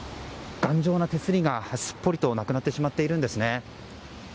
頑丈な手すりが、すっぽりとなくなってしまっているんですね。